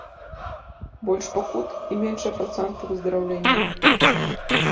Больш пакут, і меншыя працэнты выздараўлення.